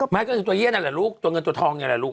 ก็คือตัวเยี่ยนั่นแหละลูกตัวเงินตัวทองนี่แหละลูก